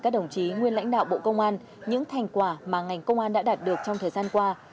các đồng chí nguyên lãnh đạo bộ công an những thành quả mà ngành công an đã đạt được trong thời gian qua